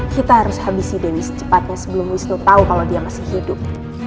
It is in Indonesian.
kita harus habisi dewi secepatnya sebelum wisnu tahu kalau dia masih hidup